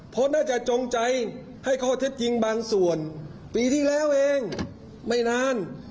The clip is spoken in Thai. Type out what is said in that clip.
เพราะน่าจะจงใจให้ข้อเท็จจริงบางส่วนปีที่แล้วเองไม่นาน